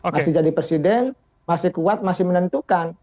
masih jadi presiden masih kuat masih menentukan